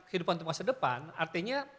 kehidupan untuk masa depan artinya